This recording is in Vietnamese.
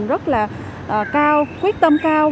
rất là cao quyết tâm cao